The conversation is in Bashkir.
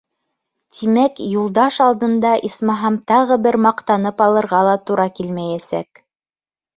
Тимәк, Юлдаш алдында, исмаһам, тағы бер маҡтанып алырға ла тура килмәйәсәк.